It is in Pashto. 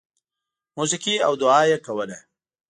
• موسیقي او دعا یې کوله.